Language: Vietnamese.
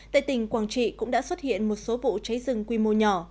tại tỉnh quảng trị cũng đã xuất hiện một số vụ cháy rừng quy mô nhỏ